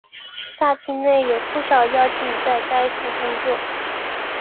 大厅内有不少妖精在该处工作。